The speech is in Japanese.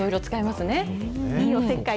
すごいいいおせっかい。